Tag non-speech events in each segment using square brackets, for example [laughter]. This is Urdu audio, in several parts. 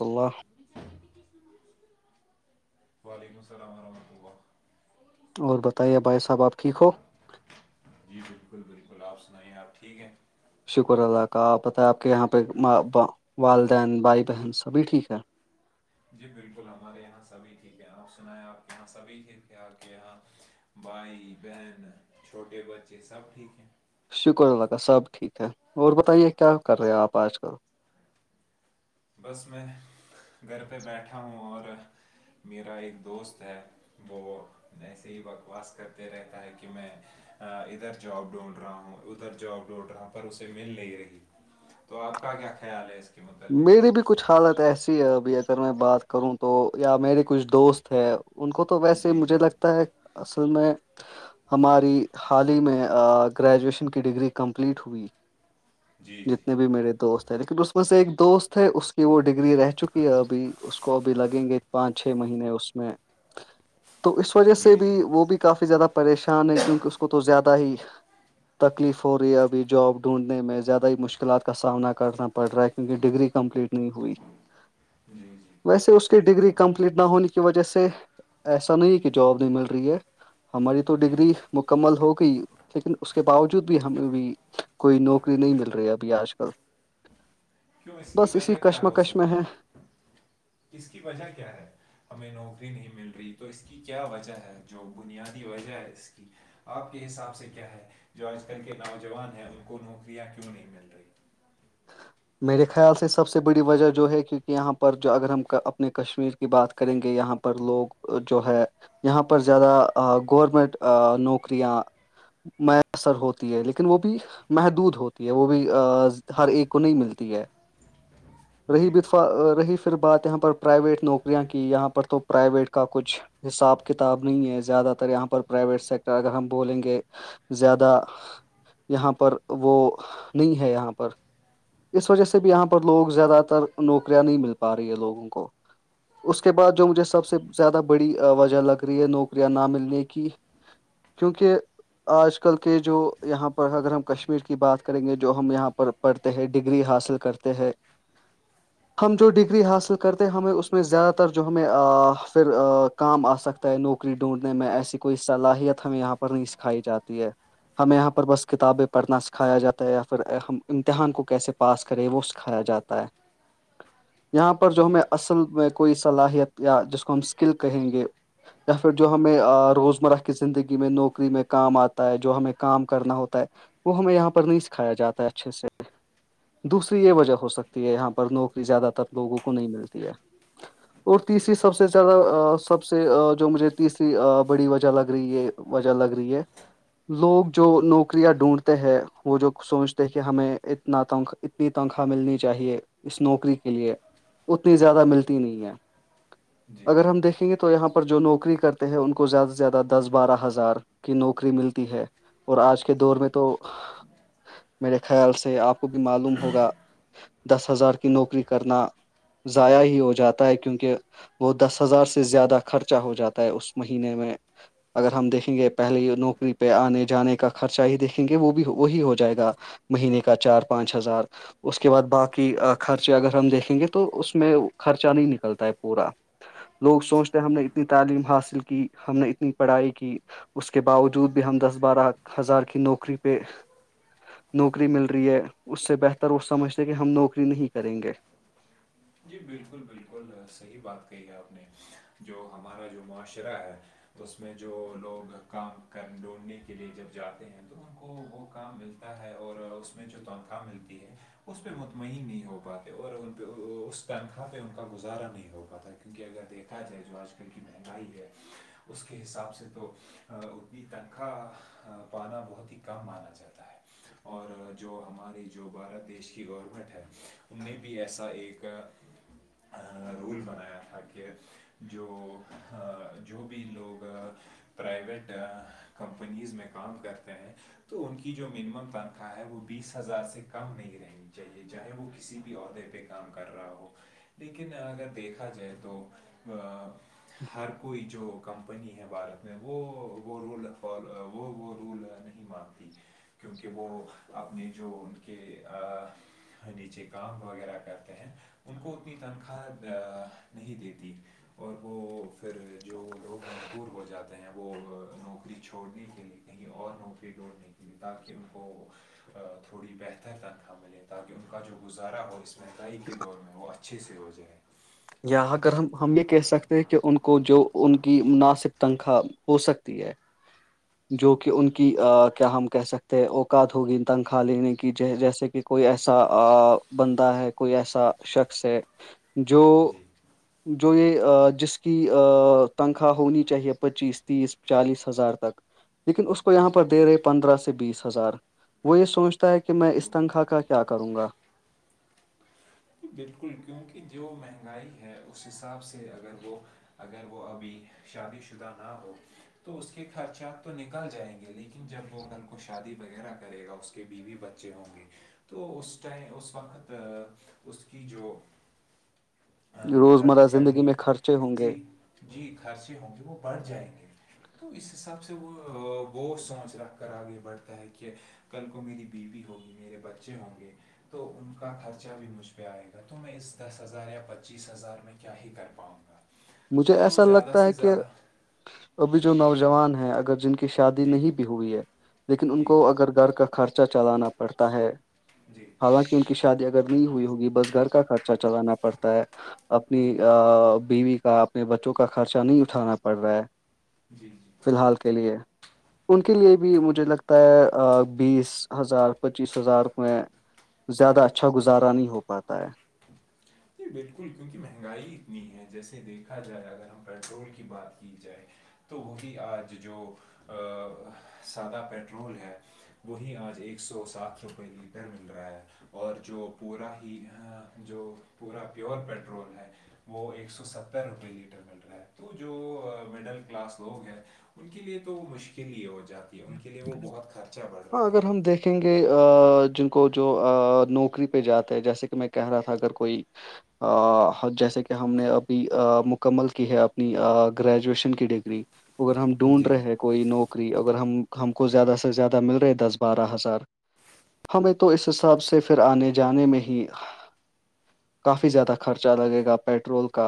اللہ وعلیکم السلام ورحمۃ اللہ اور بتائیے بھائی صاحب آپ ٹھیک ہو جی بالکل بالکل آپ سنائیے آپ ٹھیک ہیں شکر اللہ کا آپ بتائیں آپ کے یہاں پہ والدین بھائی بہن سبھی ٹھیک ہے جی بالکل ہمارے یہاں سبھی ٹھیک ہیں آپ سنا ہے آپ کے یہاں سبھی ٹھیک ہیں آپ کے یہاں بھائی بہن چھوٹے بچے سب ٹھیک ہیں شکر اللہ کا سب ٹھیک ہے اور بتائیے کیا کر رہے ہیں آپ آج کل بس میں گھر پہ بیٹھا ہوں اور میرا ایک دوست ہے وہ ایسے ہی بکواس کرتے رہتا ہے کہ میں ادھر جابب ڈھونڈ رہا ہوں ادھر جاب ڈھونڈ رہا ہوں پر اسے مل نہیں رہی تو آپ کا کیا خیال ہے اس کے متعلق میری بھی کچھ حالت ایسی ہے ابھی اگر میں بات کروں تو یا میرے کچھ دوست ہے ان کو تو ویسے جی جی مجھے لگتا ہے اصل میں ہماری حال ہی میں گریجویشن کی ڈگری کمپلیٹ ہوئی جی جی جتنے بھی میرے دوست ہیں لیکن اس میں سے ایک دوست ہے اس کی وہ ڈگری رہ چکی ابھی اس کو ابھی لگیں گے پانچ چھ مہینے اس میں تو اس وجہ سے جی بھی جی وہ بھی کافی زیادہ پریشان ہے کیونکہ اس کو تو زیادہ ہی تکلیف ہو رہی ہےبھی جاب ڈھونڈنے میں زیادہ ہی مشکل مشکلات کا سامنا کرنا پڑ رہا ہے کیونکہ ڈگری کمپلیٹ نہیں ہوئی جی جی ویسے اس کی ڈگری کمپلیٹ نہ ہونے کی وجہ سے ایسا نہیں کہ جاب نہیں مل رہی ہے ہماری تو جی ڈگری مکمل ہو گئی لیکن اس کے باوجود بھی ہمیں بھی کوئی نوکری نہیں مل رہی اب بھی آج کل کیوں اس کی بس اسی وجہ کیا ہو کشمکش میں سکتی ہے اس کی وجہ کیا ہے ہمیں نوکری نہیں مل رہی تو اس کی کیا وجہ ہے جو بنیادی وجہ ہے اس کی آپ کے حساب سے کیا ہے جو آج کل کے نوجوان ہیں ان کو نوکریاں کیوں نہیں مل رہی میرے خیال سے سب سے بڑی وجہ جو ہے کیونکہ یہاں پر جو اگر ہم اپنے کشمیر کی بات کریں گے یہاں پر لوگ جو ہے یہاں پر زیادہ گورمنٹ نوکریاں میسر ہوتی ہے لیکن وہ بھی محدود ہوتی ہے وہ بھی ہر ایک کو نہیں ملتی ہے رہی جی با رہی پھر بات یہاں پر پرائیویٹ نوکریاں کی یہاں پر تو پرائیویٹ کا کچھ حساب کتاب نہیں ہے زیادہ تر یہاں پر پرائیویٹ سیکٹر اگر ہم بولیں گے زیادہ یہاں پر وہ نہیں ہے یہاں پر اس وجہ سے بھی یہاں پر لوگ زیادہ تر نوکریاں نہیں مل پا رہی ہے لوگوں کو اس کے بعد جو مجھے سب سے زیادہ بڑی وجہ لگ رہی ہے نوکریاں نہ ملنے کی کیونکہ آج کل کے جو یہاں پر اگر ہم کشمیر کی بات کریں گے جو ہم یہاں پر پڑھتے ہیں ڈگری حاصل کرتے ہیں ہم جو ڈگری حاصل کرتے ہمیں اس میں زیادہ تر جو ہمیں پھر کام آ سکتا نوکری ڈھونڈنے میں ایسی کوئی صلاحیت ہمیں یہاں پر نہیں سکھائی جاتی ہے ہمیں یہاں پر بس کتابیں پڑھنا سکھایا جاتا ہے یا پھر ہم امتحان کو کیسے پاس کرے وہ سکھایا جاتا ہے یہاں پر جو جی ہمیں اصل میں کوئی صلاحیت یا جس کو ہم اسکل کہیں گے یا پھر جو ہمیں روزمرہ کی زندگی میں نوکری میں کام آتا ہے جو ہمیں کام کرنا ہوتا ہے وہ ہمیں یہاں پر نہیں سکھایا جاتا ہے اچھے سے دوسری یہ جی وجہ ہو سکتی ہے یہاں پر نوکری زیادہ تر لوگوں کو نہیں ملتی ہے اور تیسری جی سب سے زیادہ سب سے جو مجھے تیسری بڑی وجہ لگ رہی یہ وجہ لگ رہی ہے لوگ جو نوکریاں ڈھونڈتے ہیں وہ جو سوچ د کہ ہمیں اتنا تنخا اتنی تنخواہ ملنی چاہیے اس نوکری کے لیے اتنی زیادہ ملتی نہیں ہے جی اگر ہم دیکھیں گے تو یہاں پر جو نوکری کرتے ہیں ان کو زیادہ سے زیادہ دس بارہ ہزار کی نوکری ملتی ہے اور آج کے دور جی میں تو میرے خیال سے آپ کو بھی معلوم ہوگا دس ہزار کی نوکری کرنا ضائع ہی ہو جاتا ہے کیونکہ وہ دس ہزار سے زیادہ خرچہ ہو جاتا ہے اس مہینے میں اگر ہم دیکھیں گے پہلے نوکری پہ آنے جانے کا خرچہ ہی دیکھیں گے وہ بھی وہی ہو جائے گا مہینے کا چار پانچ ہزار اس کے بعد باقی خرچے اگر ہم دیکھیں گے تو اس میں خرچہ نہیں نکلتا ہے پورا لوگ سوچتے ہیں ہم نے اتنی بالکل تعلیم حاصل کی ہم نے اتنی پڑھائی کی اس کے باوجود بھی ہم دس بارہ ہزار کی نوکری پہ نوکری مل رہی ہے اس سے بہتر وہ سمجھتے کہ ہم نوکری نہیں کریں گے جی بالکل بالکل صحیح بات کہی ہے آپ نے جو ہمارا جو معاشرہ ہے تو اس میں جو لوگ کام کر ڈھونڈنے کے لیے جب جاتے ہیں تو ان کو وہ کام ملتا ہے اور اس میں جو تنخواہ ملتی ہے اس پہ مطمئن نہیں ہو پاتے اور ان پہ اس پنکھا پہ ان کا گزارا نہیں ہو پاتا کیونکہ اگر دیکھا جائے جو آج کل کی مہنگائی ہے اس کے حساب سے تو انی تنخواہ پانا بہت ہی کم مانا جاتا ہے اور جو ہماری جو بھارت دیش کی گورنمنٹ ہے ان نے بھی ایسا ایک کا رول بنایا تھا کہ جو جو بھی لوگ پرائیویٹ کمپنیز میں کام کرتے ہیں تو ان کی جو منیمم تنخواہ ہے وہ بیس ہزار سے کم نہیں رہنی چاہیے چاہے وہ کسی بھی عہدے پہ کام کر رہا ہو لیکن اگر دیکھا جائے تو ہر کوئی جو کمپنی ہے بھارت میں وہ رول فو وہ رول نہیں مانتی کیونکہ وہ آپ نے جو ان کے نیچے کام وغیرہ کرتے ہیں ان کو اتنی تنخواہ نہیں دیتی اور وہ پھر جو لوگ مجبور ہو جاتے ہیں وہ نوکری چھوڑنے کے لیے اور نوکری ڈھڑنے کی لی تاکہ ان کو تھوڑی بہتر تنخواہ ملے تاکہ ان کا جو گزارا ہو اس مہنگائی کے دور میں وہ اچھے سے ہو جائائے یا اگر ہم ہم یہ کہہ سکتے ہیں کہ ان کو جو ان کی مناسب تنخواہ ہو سکتی ہے جو جی کہ ان کی کیا ہم کہہ سکتے ہیں اوقات ہوگی تنخواہ لینے کی جیسے کہ کوئی ایسا بندہ ہے کوئی ایسا شخص ہے جو جی جو یہ جس کی تنخواہ ہونی چاہیے پچیس تیس چالیس ہزار تک لیکن اس کو یہاں پر دے رہے پندرہ سے بیس ہزار وہ یہ سوچتا ہے کہ میں اس جی تنخواہ کا کیا کروں گا بالکل کیونکہ جو مہنگائی ہے اس حساب سے اگر وہ اگر وہ ابھی شادی شدہ نہ ہو تو اس کے خرچات تو نکل جائیں گے لیکن جب وہ گھر کو شادی وغیرہ کرے گا اس کے بیوی بچے ہوں گے تو اس اس وقت اس کی جو روزمرہ خرچ زندگی کرنے میں خرچے ہوں گے جی جی خرچے ہوں گے وہ بڑھ جائیں گے تو اس حساب سے وہ بہت سوچ رکھ کر آگے بڑھتا ہے کہ کل کو میری بیوی ہوگی میرے بچے ہوں گے تو ان کا خرچہ بھی مشکل پہ آئے گا تو میں اس دس ہزار یا پچیس ہزار میں کیا ہی کر پاؤں گا مجھے تو ایسا زیادہ لگتا سے ہے کہ زیادہ ابھی جو نوجوان ہیں اگر جن کے شادی جی نہیں بھی ہوئی ہے لیکن ان جی کو جی اگر گھر کا خرچہ چلانا پڑتا ہے جی ہاںا کہ کی شادی اگر نہیں ہوئی ہوگی بس گھر کا خرچہ چلانا پڑتا ہے اپنی جی بیوی کا اپنے بچوں کا خرچہ نہیں اٹھانا پڑ رہا ہے جی جی فی الحال کے لیے ان کے لیے بھی مجھے لگتا ہے بیس ہزار پچیس ہزار میں زیادہ اچھا گزارا نہیں ہو پاتا ہے بالکل کیونکہ مہنگائی اتنی ہے جیسے دیکھا جائے اگر ہم پیٹرول کی بات کی جائے تو وہی آج جو ا سادہ پٹرول ہے وہی آج ایک سو ساٹھ روپئے لیٹر مل رہا ہے اور جو پورا ہی جو پورا پیور پٹرول ہے وہ ایک سو ستر روپئے لیٹر بل رہا ہے تو جو مڈل کلاس لوگ ہیں ان کے لیے تو وہ مشکل ہی ہو جاتی ہے ان کے لیے وہ بہت خرچہ بڑھ رہا ہاں ہے اگر ہم دیکھیں گے جن کو جو نوکری پہ جاتے ہے جیسے کہ میں کہہ رہا تھا اگر کوئی جیسے کہ ہم نے ابھی مکمل کی ہے اپنی گریجویشن کی ڈگری اگر ہم ڈھونڈ جی رہے ہیں کوئی نوکری اگر ہم ہم کو زیادہ سے زیادہ مل رہے دس بارہ ہزار ہمیں تو اس حساب سے پھر آنے جانے میں ہی کافی زیادہ خرچہ لگے گا پیٹرول کا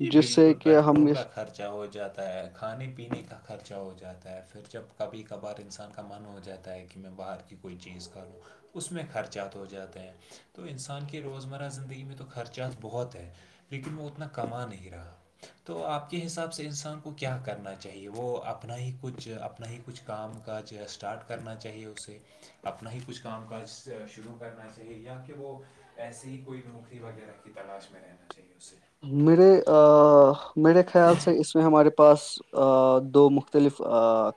ج جس سے بالکل کہ ہم پیٹرول اس کا خرچا ہو جاتا ہے کھانے پینے کا خرچہ ہو جاتا ہے پھر جب کبھی کبھار انسان کا من ہو جاتا ہے کہ میں باہر کی کوئی چیز کرو اس میں خرچات ہو جاتے ہیں تو انسان کی روزمرہ زندگی میں تو خرچات بہت ہیں لیکن وہ اتنا کما نہیں رہا تو آپ کے حساب سے انسان کو کیا کرنا چاہیے وہ اپنا ہی کچھ اپنا ہی کچھ کام کاج اسٹارٹ کرنا چاہیے اسے اپنا ہی کچھ کام کاج شروع کرنااہی اہے یا کہ وہ ایسے ہی کوئی نوکری وغیرہ کی تلاش میں رہنا چاہیے اسے میرے میرے خیال سے اس میں ہمارے پاس دو مختلف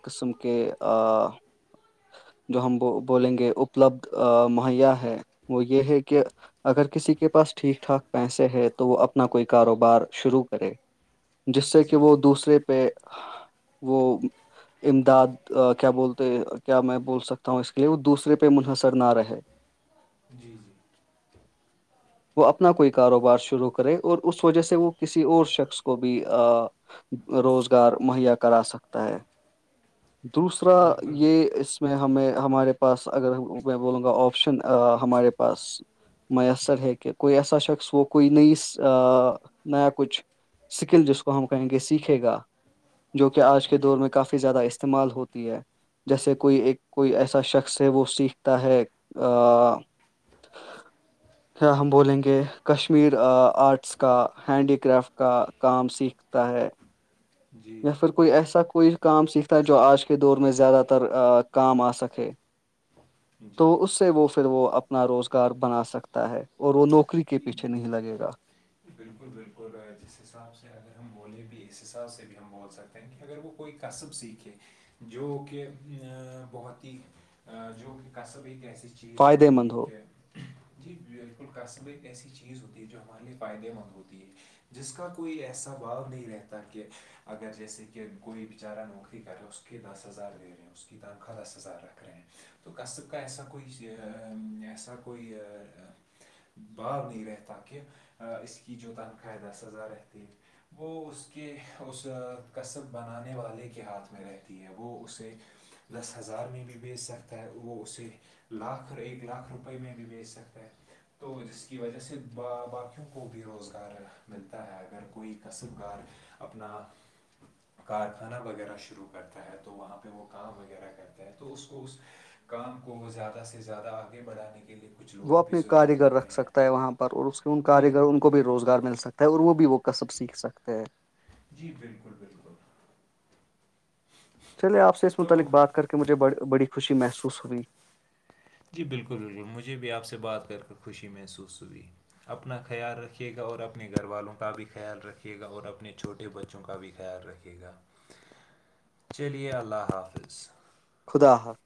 قسم کے جو ہم بولیں گے اپلبد مہیا ہے وہ یہ ہے کہ اگر کسی کے پاس ٹھیک ٹھاک پیسے ہے تو وہ اپنا کوئی کاروبار شروع کرے جس سے جی کہ وہ جی دوسرے پہ پہ وہ امداد کیا بولتے کیا میں بول سکتا ہوں اس کے لیے وہ دوسرے پہ منحصر نہ رہے جی جی [inaudible] وہ اپنا کوئی کاروبار شروع کرے اور اس وجہ سے وہ کسی اور شخص کو بھی روزگار مہیا کرا سکتا ہے یہ دوسرا بالکل یہ اس میں ہمیں ہمارے پاس اگر میں بولوں گا آپشن ہمارے پاس میسر ہکہ کوئی ایسا شخص وہ کوئی نئی نیایا کچھ سکل جس کو ہم کہیں گے سیکھے گا جو کہ آج کے جی دور میں کافی زیادہ استعمال ہوتی ہے جیسے کوئی ایک کوئی ایسا شخص ہے وہ سیکھتا ہے کیا ہم بولیں گے کشمیر آرٹس کا ہینڈی کرافٹ کا کام سیکھتا ہے جی یا پھر کوئی ایسا کوئی کام سیکھتا ہے جو آج کے دور میں زیادہ تر کام آ سکے تو جی اس سے وہ پھر وہ اپ اپنا روزگار بنا سکتا ہے اور وہ نوکری کے جی پیچھے نہیں لگے گا بالکل بالکل جس حساب سے اگر ہم بولیں بھی اس حساب سے بھی ہم بول سکتے تھینک اگر وہ کوئی کصب سیکھے جو کہ ا بہت ہی جو کہ کصب ایک ایسی چیز فائدے ہوتی ہے مند ہو کہ جی بالکل قصب ایک ایسی چیز ہوتی ہے جو ہمارے فائدے مند ہوتی ہے جس کا کوئی ایسا بھاؤ نہیں رہتا کہ اگر جیسے کہ کوئی بیچارہ نوکری کر رہے اس کی دس ہزار دے رہے ہیں اس کی تنخواہ دس ہزار رکھ رہے ہیں تو قصب کا ایسا کوئی ایسا کوئی بھاگ نہیں رہتا کہ اس کی جو تن قاعدہ سزا رہتی وہ اس کے اس کصب بنانے والے کے ہاتھ میں رہتی ہے وہ اسے دس ہزار میں بھی بیچ سکتا ہے وہ اسے لاکھ ایک لاکھ روپئے میں بھی بیچ سکتا ہے تو جس کی وجہ سے با باقی لوں کو بھی روزگار ملتا ہے اگر کوئی کسب کار اپنا کارخانہ وغیرہ شروع کرتا ہے تو وہاں پہ وہ کام وغیرہ کرتا ہے تو اس کو اس کام کو وہ زیادہ سے زیادہ آگے بڑھانے کے لیے کچھ وہ لوگ بھی اپنے ضرورت کاریگر لگتے رکھ ہیں سکتا ہے وہاں پر اور اس کے ان جی کاریگر ان کو بھی روزگار مل سکتا ہے اور وہ بھی وہ کصب سیکھ سکتے ہیں جی بالکل بالکل چلے آپ سے اس تو متعلق بات کر کے مجھے بڑی خوشی محسوس ہوئی جی بالکل بالکل مجھے بھی آپ سے بات کر کے خوشی محسوس ہوئی اپنا خیال رکھیے گا اور اپنے گھر والوں کا بھی خیال رکھیے گا اور اپنے چھوٹے بچوں کا بھی خیال رکھے گا گا [inaudible] چلیے اللہ حافظ خدا حافظ